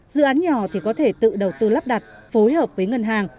dự án nhỏ thì có thể tự đầu tư lắp đặt phối hợp với ngân hàng